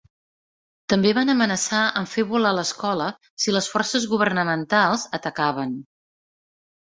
També van amenaçar amb fer volar l'escola si les forces governamentals atacaven.